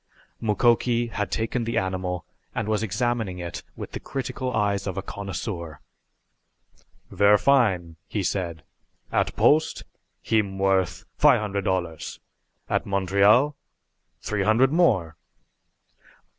Mukoki had taken the animal and was examining it with the critical eyes of a connoisseur. "Ver' fine!" he said. "At Post heem worth fi' hundred dollars at Montreal t'ree hundred more!"